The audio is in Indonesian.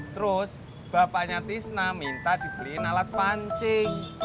terus bapaknya tisna minta dibeliin alat pancing